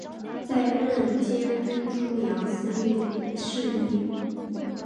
再任监督出洋肄业事宜。